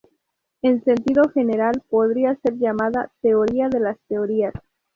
En sentido general podría ser llamada "teoría de las teorías".